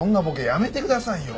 やめてくださいよ！